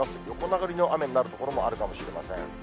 横殴りの雨になる所もあるかもしれません。